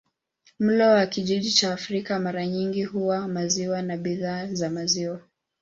Mlo wa kijiji cha Afrika mara nyingi huwa maziwa na bidhaa za maziwa.